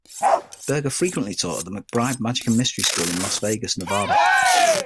Burger frequently taught at the McBride Magic and Mystery School in Las Vegas, Nevada.